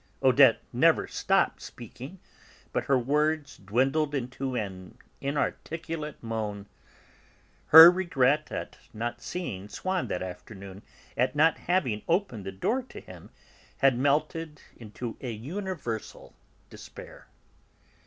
Odette never stopped speaking, but her words dwindled into an inarticulate moan. Her regret at not having seen Swann that afternoon, at not having opened the door to him, had melted into a universal despair.